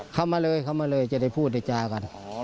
เข้ามาเลยเข้ามาเลยจะได้พูดได้จากัน